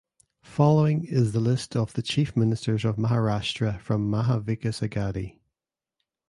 Following is the list of the Chief Ministers of Maharashtra from Maha Vikas Aghadi.